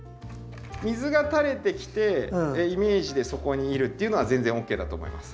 水がたれてきてイメージでそこにいるっていうのは全然ＯＫだと思います。